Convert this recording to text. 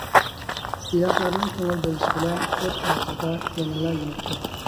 ئىلاھلارنىڭ كۆڭۈل بۆلۈشى بىلەن، ئوت ئاخىرىدا يەنىلا يېنىپتۇ.